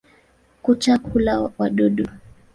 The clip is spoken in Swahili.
Kucha hula wadudu.